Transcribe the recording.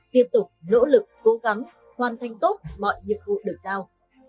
tiếp tục nỗ lực cố gắng hoàn thành tốt mọi nhiệm vụ được giao